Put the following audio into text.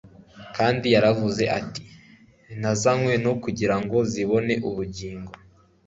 Kandi yaravuze ati : "Nazanywe no kugira ngo zibone ubugingo